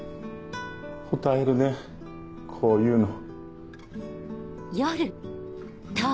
こたえるねこういうの。